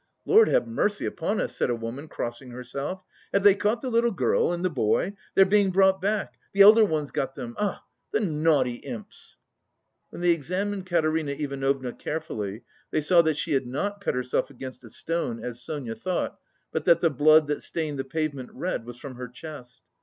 "Lord have mercy upon us," said a woman, crossing herself. "Have they caught the little girl and the boy? They're being brought back, the elder one's got them.... Ah, the naughty imps!" When they examined Katerina Ivanovna carefully, they saw that she had not cut herself against a stone, as Sonia thought, but that the blood that stained the pavement red was from her chest.